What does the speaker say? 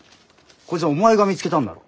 こいつはお前が見つけたんだろ？